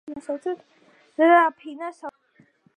რაფინია საოცრად თამაშობს